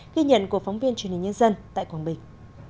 ghi nhận của phóng viên truyền hình nhân dân tại quảng bình